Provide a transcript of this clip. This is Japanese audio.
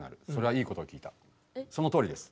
そのとおりです。